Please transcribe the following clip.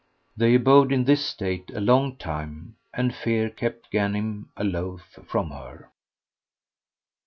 They abode in this state a long time, and fear kept Ghanim aloof from her.